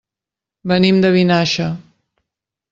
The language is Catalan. Venim de Vinaixa.